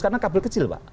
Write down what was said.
karena kabel kecil pak